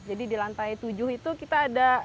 jadi di lantai tujuh itu kita ada